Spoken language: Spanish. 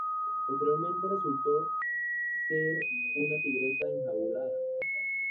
posteriormente resultó ser una tigresa enjaulada